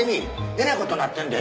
えらいことなってんで。